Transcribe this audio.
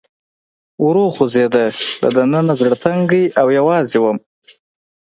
ورو خوځېده، له دننه زړه تنګی او یوازې ووم.